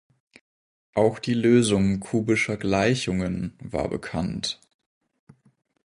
Auch die Lösung kubischer Gleichungen war bekannt.